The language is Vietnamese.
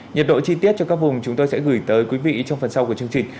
nhiệt độ chi tiết cho các vùng chúng tôi sẽ gửi tới quý vị trong phần sau của chương trình